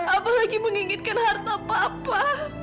apalagi menginginkan harta papa